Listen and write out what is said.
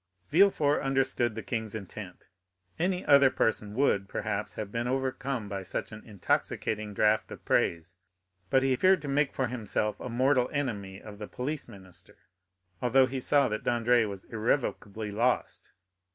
Villefort understood the king's intent. Any other person would, perhaps, have been overcome by such an intoxicating draught of praise; but he feared to make for himself a mortal enemy of the police minister, although he saw that Dandré was irrevocably lost.